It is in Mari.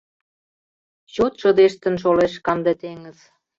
Чот шыдештын шолеш канде теҥыз.